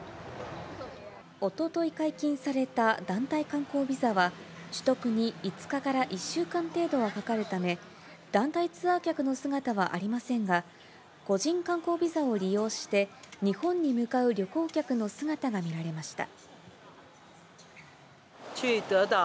おととい解禁された団体観光ビザは、取得に５日から１週間程度はかかるため、団体ツアー客の姿はありませんが、個人観光ビザを利用して、日本に向かう旅行客の姿が見られました。